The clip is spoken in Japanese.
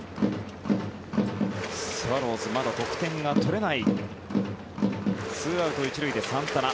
スワローズ、まだ得点が取れない２アウト１塁でサンタナ。